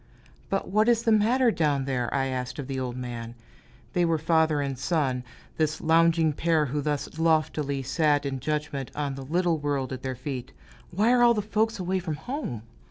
"But what is the matter down there?" I asked of the old man, they were father and son, this lounging pair who thus loftily sat in judgment on the little world at their feet; "why are all the folks away from home?"